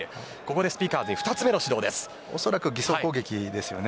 ここでスピカーズに２つ目の指導です。